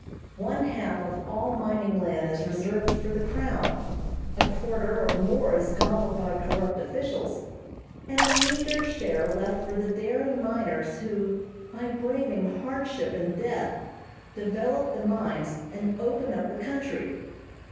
One half of all mining land is reserved for the crown, a quarter or more is gobbled by corrupt officials, and a meagre share left for the daring miners who, by braving hardship and death, develop the mines and open up the country.